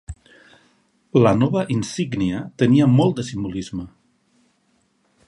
La nova insígnia tenia molt de simbolisme.